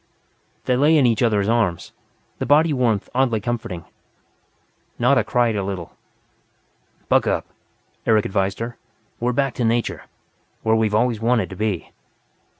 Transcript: They lay in each other's arms, the body warmth oddly comforting. Nada cried a little. "Buck up," Eric advised her. "We're back to nature where we've always wanted to be."